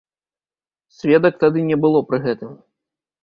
Сведак тады не было пры гэтым.